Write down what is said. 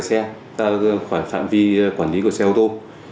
nếu chúng ta xuống xe rời xe ta phải phạm vi quản lý của xe ô tô